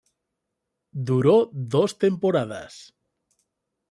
Duró dos temporadas.